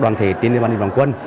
đoàn thể trên địa bàn huyện đồng quân